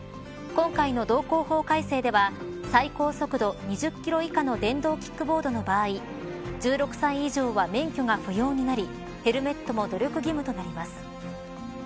今回の道交法改正では最高速度２０キロ以下の電動キックボードの場合１６歳以上は免許が不要になりヘルメットも努力義務となります。